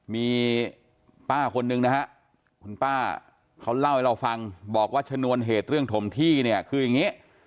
มีป้าคนนึงนะฮะคุณป้าเขาเล่าให้เราฟังบอกว่าชนวนเหตุเรื่องถมที่เนี่ยคืออย่างนี้